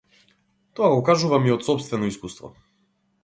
Тоа го кажувам и од сопствено искуство.